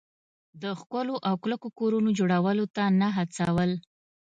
د ښکلو او کلکو کورونو جوړولو ته نه هڅول.